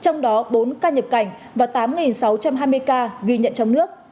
trong đó bốn ca nhập cảnh và tám sáu trăm hai mươi ca ghi nhận trong nước